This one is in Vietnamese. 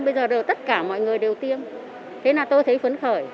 bây giờ đều tất cả mọi người đều tiêm thế là tôi thấy phấn khởi